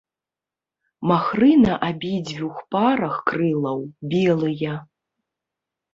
Махры на абедзвюх парах крылаў белыя.